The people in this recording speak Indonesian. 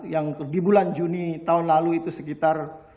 yang di bulan juni tahun lalu itu sekitar